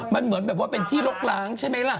มันเหมือนแบบว่าเป็นที่ลกล้างใช่ไหมล่ะ